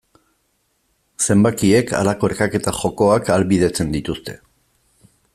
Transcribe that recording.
Zenbakiek halako erkaketa jokoak ahalbidetzen dituzte.